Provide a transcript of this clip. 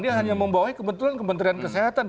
dia hanya membawahi kebetulan kementerian kesehatan